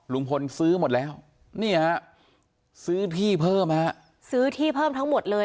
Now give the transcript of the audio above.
ลุงพลซื้อหมดแล้วนี่ฮะซื้อที่เพิ่มฮะซื้อที่เพิ่มทั้งหมดเลย